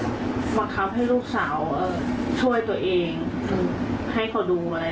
บังคับให้ลูกสาวช่วยตัวเองให้เขาดูอะไร